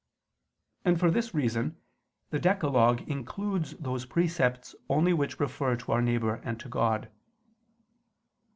And for this reason the decalogue includes those precepts only which refer to our neighbor and to God.